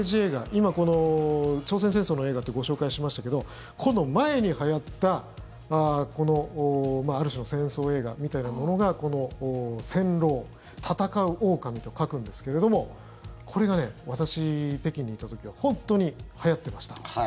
今、朝鮮戦争の映画ってご紹介しましたけどこの前にはやったある種の戦争映画みたいなものがこの「戦狼」戦うオオカミと書くんですけれどこれが私、北京にいた時は本当にはやってました。